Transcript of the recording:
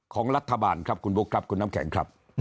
ของรัฐบาลครับคุณบุ๊คครับคุณน้ำแข็งครับ